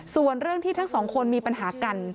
ส่วนเรื่องที่ทั้งสองคนมีปัญหากัน